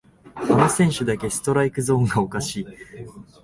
あの選手だけストライクゾーンがおかしい